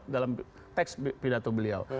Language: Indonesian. dalam teks pidato beliau